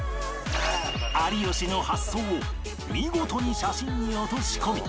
有吉の発想を見事に写真に落とし込み